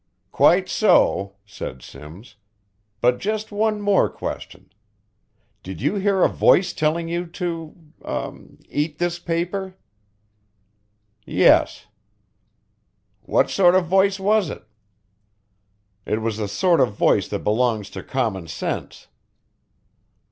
"Quite so," said Simms, "but just one more question. Did you hear a voice telling you to er eat this paper?" "Yes." "What sort of voice was it?" "It was the sort of voice that belongs to common sense."